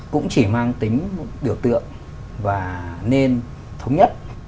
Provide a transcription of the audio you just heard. cũng chỉ mang tính biểu tượng và nên thống nhất